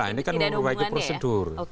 ini kan memperbaiki prosedur